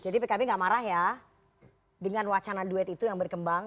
jadi pkb enggak marah ya dengan wacana duet itu yang berkembang